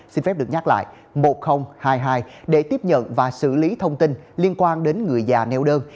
xin phép được nhắc lại một nghìn hai mươi hai để tiếp nhận và xử lý thông tin liên quan đến người già neo đơn